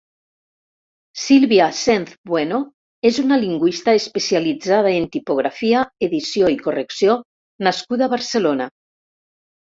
Sílvia Senz Bueno és una lingüista especialitzada en tipografia, edició i correcció nascuda a Barcelona.